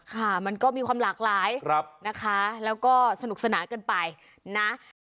ค่ะมันก็มีความหลากหลายนะคะแล้วก็สนุกสนานกันไปนะ